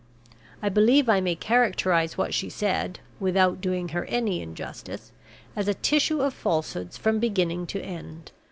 I believe I may characterize what she said (without doing her any injustice) as a tissue of falsehoods from beginning to end.